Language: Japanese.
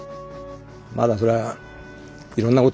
まだそりゃいろんなことをね